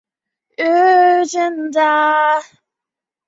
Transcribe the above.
早阳乡是中国陕西省安康市汉滨区下辖的一个乡。